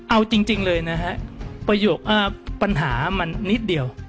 เอาจริงเลยนะฮะประโยคปัญหามันนิดเดียว